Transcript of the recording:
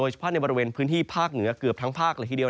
เฉพาะในบริเวณพื้นที่ภาคเหนือเกือบทั้งภาคละทีเดียว